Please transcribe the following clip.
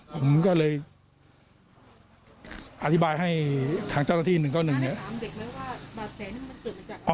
ผมก็เลยอธิบายให้ทางเจ้าหน้าที่๑เก้า๑